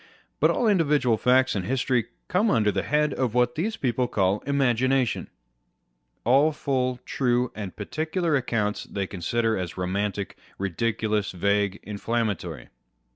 But all individual facts and history come under the head of what these people call Imagination. All full, true, and particular accounts they consider as romantic, ridiculous, vague, inflammatory.